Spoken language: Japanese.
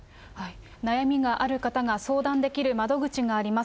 悩みがある方が相談できる窓口があります。